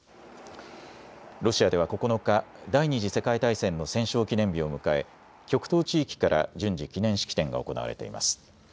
ロシアでは９日、第２次世界大戦の戦勝記念日を迎え極東地域から順次記念式典が行われています。